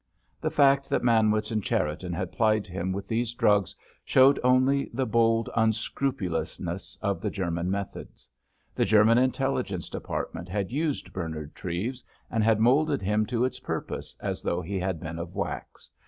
The fact that Manwitz and Cherriton had plied him with these drugs showed only the bold unscrupulousness of the German methods. The German Intelligence Department had used Bernard Treves, and had moulded him to its purpose as though he had been of wax.